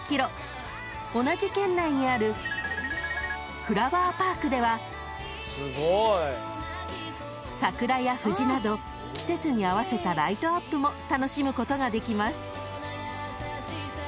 ［同じ県内にあるフラワーパークでは桜や藤など季節に合わせたライトアップも楽しむことができます］